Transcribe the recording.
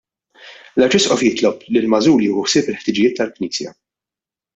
L-Arċisqof jitlob li l-magħżul jieħu ħsieb il-ħtiġijiet tal-Knisja.